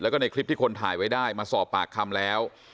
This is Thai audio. แล้วก็ในคลิปที่คนถ่ายไว้ได้มาสอบปากคำแล้ว